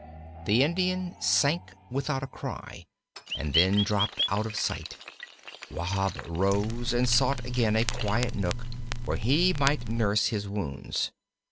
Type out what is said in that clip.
The Indian sank without a cry, and then dropped out of sight. Wahb rose, and sought again a quiet nook where he might nurse his wounds.